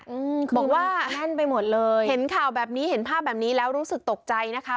อืมบอกว่าแน่นไปหมดเลยเห็นข่าวแบบนี้เห็นภาพแบบนี้แล้วรู้สึกตกใจนะคะ